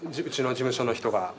うちの事務所の人が。